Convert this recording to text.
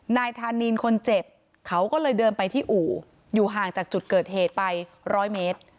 นายธานินคนเจ็บเขาก็เลยเดินไปที่อู่อยู่ห่างจากจุดเกิดเหตุไปร้อยเมตร